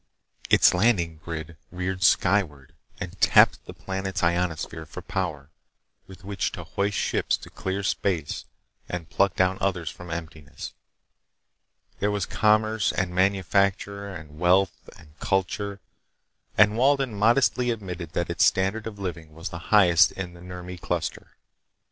Its landing grid reared skyward and tapped the planet's ionosphere for power with which to hoist ships to clear space and pluck down others from emptiness. There was commerce and manufacture and wealth and culture, and Walden modestly admitted that its standard of living was the highest in the Nurmi Cluster.